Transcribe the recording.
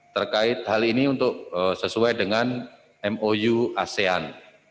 terkait hal ini untuk sesuai dengan mou asean